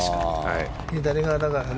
左側だからね。